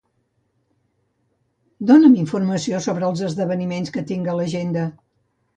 Dona'm informació sobre els esdeveniments que tinc a l'agenda.